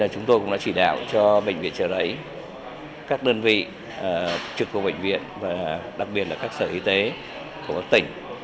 chúng tôi cũng đã chỉ đạo cho bệnh viện trợ rẫy các đơn vị trực của bệnh viện và đặc biệt là các sở y tế của các tỉnh